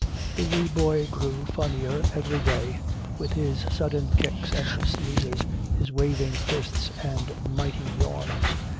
The wee boy grew funnier every day, with his sudden kicks and sneezes, his waving fists and mighty yawns.